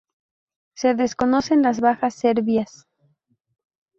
Se desconocen las bajas serbias.